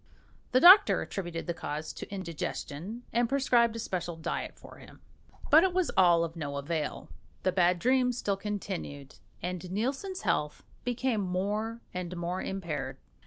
The doctor attributed the cause to indigestion, and prescribed a special diet for him. But it was all of no avail; the bad dreams still continued, and Nielsen's health became more and more impaired.